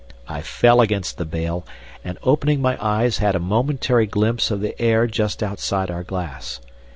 I fell against the bale, and opening my eyes had a momentary glimpse of the air just outside our glass.